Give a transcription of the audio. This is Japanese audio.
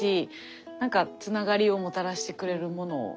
なんかつながりをもたらしてくれるもので。